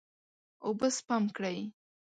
اوبه سپم کړئ.